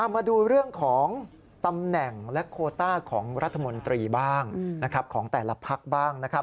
มาดูเรื่องของตำแหน่งและโคต้าของรัฐมนตรีบ้างของแต่ละพักบ้างนะครับ